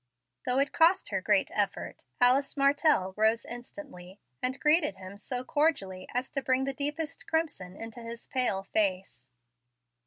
Though it cost her great effort, Alice Martell rose instantly, and greeted him so cordially as to bring the deepest crimson into his pale face.